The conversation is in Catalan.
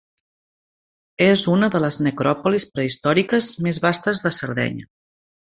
És una de les necròpolis prehistòriques més vastes de Sardenya.